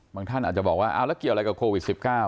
ท่านอาจจะบอกว่าเอาแล้วเกี่ยวอะไรกับโควิด๑๙